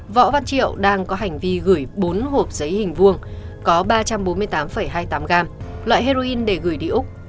võ văn triệu đang có hành vi gửi bốn hộp giấy hình vuông có ba trăm bốn mươi tám hai mươi tám gram loại heroin để gửi đi úc